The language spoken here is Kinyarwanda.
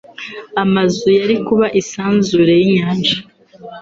Amazu yari kuba isanzure y'inyanja.